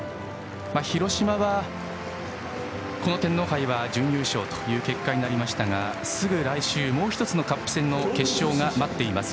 広島は、この天皇杯は準優勝という結果になりましたがすぐ来週、もう１つのカップ戦の決勝が待っています。